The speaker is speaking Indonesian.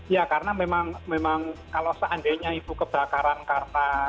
ya karena memang kalau seandainya itu kebakaran karta